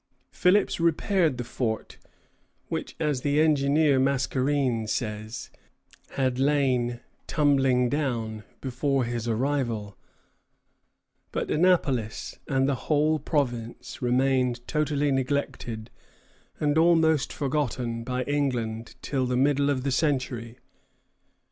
" Philipps repaired the fort, which, as the engineer Mascarene says, "had lain tumbling down" before his arrival; but Annapolis and the whole province remained totally neglected and almost forgotten by England till the middle of the century.